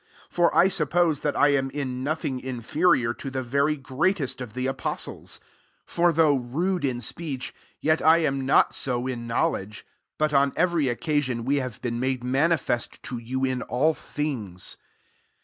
5 For I suppose that I am in nothing inferior to the very grea1;pst of the apostles. 6 For though rude in speech, yet / am not so in knowledge; but on every occasion we have been made manifest to you in all things.